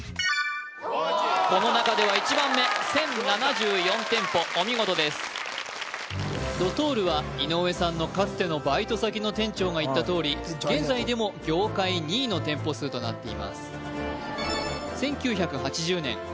この中では１番目１０７４店舗お見事ですドトールは井上さんのかつてのバイト先の店長が言ったとおり現在でも業界２位の店舗数となっています